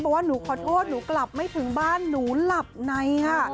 บอกว่าหนูขอโทษหนูกลับไม่ถึงบ้านหนูหลับในค่ะ